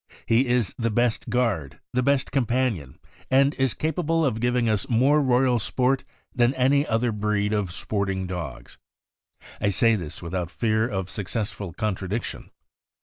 He is the best guard, the best companion, and /ll is capable of giving us more royal sport than any other breed of sporting dogs. I say this without fear of suc cessful contradiction.